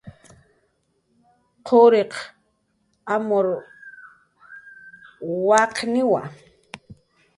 quriq amur waqniwa